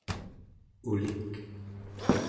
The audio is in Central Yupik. ulik